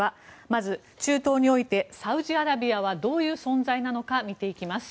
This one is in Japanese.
まず、中東においてサウジアラビアはどういう存在なのか見ていきます。